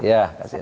iya kasih enak